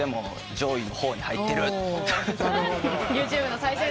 上位の方に入ってる。